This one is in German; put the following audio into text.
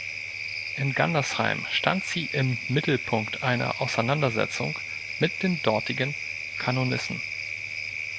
In Gandersheim stand sie im Mittelpunkt einer Auseinandersetzung mit den dortigen Kanonissen.